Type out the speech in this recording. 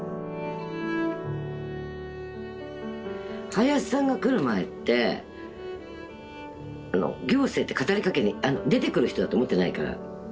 林さんが来る前って行政って語りかけに出てくる人だと思ってないから。